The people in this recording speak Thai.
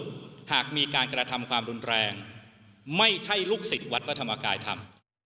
เพราะหากมีการกระทำความรุนแรงไม่ใช่ลูกศิษย์วัดพระธรรมกายธรรม